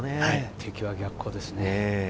敵は逆光ですね。